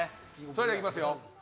それではいきますよ。